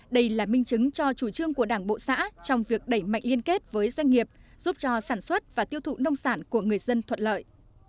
đây là minh chứng cho chủ trương của đảng bộ xã trong việc đẩy mạnh liên kết với doanh nghiệp giúp cho sản xuất và tiêu thụ nông sản của người dân thuận lợi